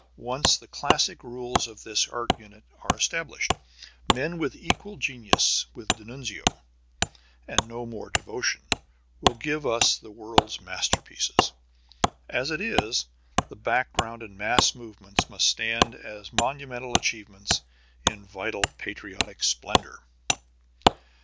Once the classic rules of this art unit are established, men with equal genius with D'Annunzio and no more devotion, will give us the world's masterpieces. As it is, the background and mass movements must stand as monumental achievements in vital patriotic splendor.